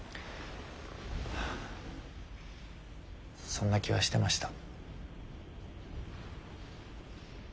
そんな気はしてました。